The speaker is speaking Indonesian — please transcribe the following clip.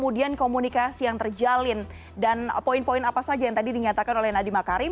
apakah komunikasi yang terjalin poin apa saja yang dikatakan oleh adi makarim